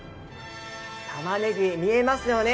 たまねぎに見えますよね。